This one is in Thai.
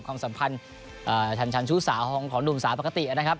ความสำคัญเอ่อชันชันชู้สาวของของหนุ่มสาวปกตินะครับ